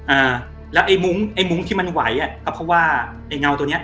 อ่าแล้วไอ้มุ้งไอ้มุ้งที่มันไหวอ่ะก็เพราะว่าไอ้เงาตัวเนี้ย